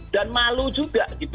dan malu juga